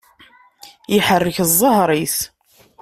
Iḥerrek ẓẓher-is.